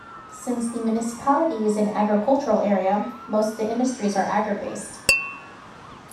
Since the municipality is an agricultural area, most of the industries are agri-based.